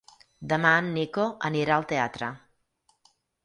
Demà en Nico anirà al teatre.